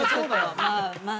まあまあ。